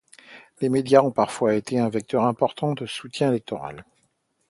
Les médias ont parfois été un vecteur important de soutien électoral.